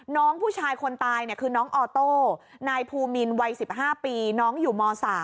น้องผู้ชายคนตายคือน้องออโต้นายภูมินวัย๑๕ปีน้องอยู่ม๓